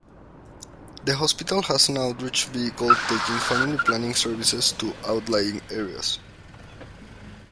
The hospital has an outreach vehicle taking family planning services to outlying areas.